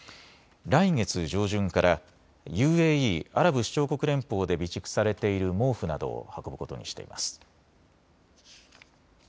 来月上旬からＵＡＥ・アラブ首長国連邦で備蓄されている毛布などを運ぶことにしています。